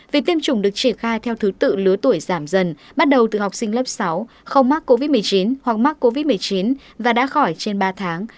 việc tiêm chủng được triển khai theo thứ tự lứa tuổi giảm dần bắt đầu từ học sinh lớp sáu không mắc covid một mươi chín hoặc mắc covid một mươi chín và đã khỏi trên ba tháng